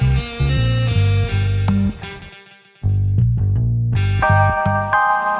terima kasih pak